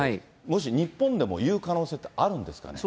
もし日本でも言う可能性ってあるんですかね？